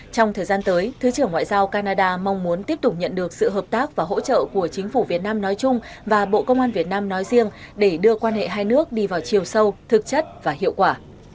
trong thời gian tới thứ trưởng ngoại giao canada mong muốn tiếp tục nhận được sự hợp tác và hỗ trợ của chính phủ việt nam nói chung và bộ công an việt nam nói riêng để đưa quan hệ hai nước đi vào chiều sâu thực chất và hiệu quả